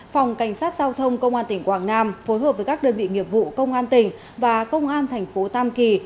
phòng cảnh sát giao thông công an tp quảng nam phối hợp với các đơn vị nghiệp vụ công an tp và công an tp tam kỳ